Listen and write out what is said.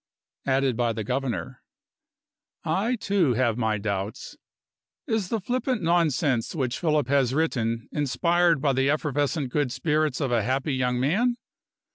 Added by the Governor. I too have my doubts. Is the flippant nonsense which Philip has written inspired by the effervescent good spirits of a happy young man?